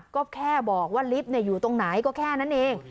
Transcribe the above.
ก็แค่บอกว่าลิฟต์อยู่ตรงไหนก็แค่นั้นเอง